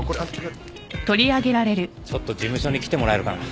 ちょっと事務所に来てもらえるかな。